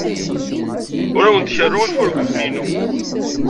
Ur awent-kerruɣ ifurguten-inu.